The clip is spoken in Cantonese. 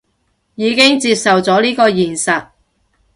已經接受咗呢個現實